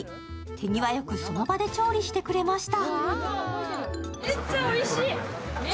手際よく、その場で調理してくれました。